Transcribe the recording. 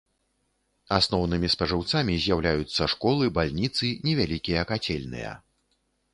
Асноўнымі спажыўцамі з'яўляюцца школы, бальніцы, невялікія кацельныя.